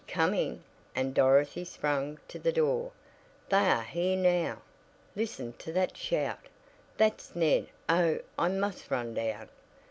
"Coming!" and Dorothy sprang to the door. "They are here now. Listen to that shout? That's Ned. Oh, I must run down.